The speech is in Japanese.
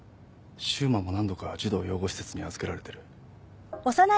柊磨も何度か児童養護施設に預けられてる。